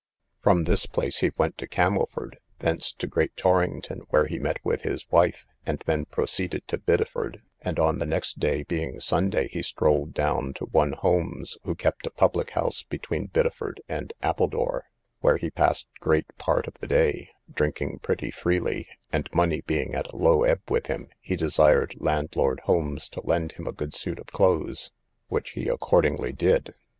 From this place he went to Camelford; thence to Great Torrington, where he met with his wife, and then proceeded to Biddeford: and on the next day, being Sunday, he strolled down to one Holmes, who kept a public house between Biddeford and Appledore, where he passed great part of the day drinking pretty freely; and money being at a low ebb with him, he desired landlord Holmes to lend him a good suit of clothes, which he accordingly did.